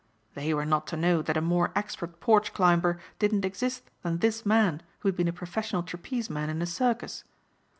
They were not to know that a more expert porch climber didn't exist than this man who had been a professional trapeze man in a circus.